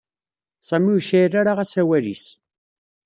Sami ur yecɛil ara asawal-is.